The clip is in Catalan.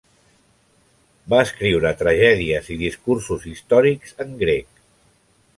Va escriure tragèdies i discursos històrics en grec.